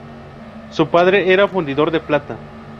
Su padre era fundidor de plata.